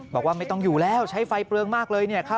บอกว่าไม่ต้องอยู่แล้วใช้ไฟเปลืองมากเลยเนี่ย